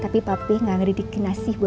tapi papih gak ngeri di kinasi buat manja